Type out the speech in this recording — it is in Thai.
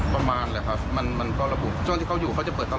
ประมาณแหละครับมันมันก็ระบุช่วงที่เขาอยู่เขาจะเปิดเขา